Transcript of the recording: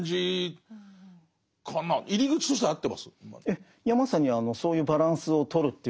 ええ。